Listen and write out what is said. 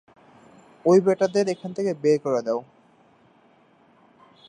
ঐ ব্যাটাদের এখান থেকে বের করে দাও!